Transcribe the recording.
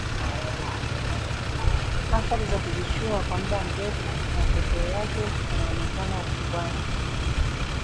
Athari za kujichua kwa muda mrefu, matokeo yake yanaonekana ukubwani